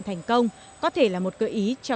thành công có thể là một gợi ý cho